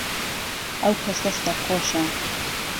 ئەو کەسە سەرخۆشە.